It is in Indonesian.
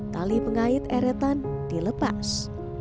tali pengait eretan dilepas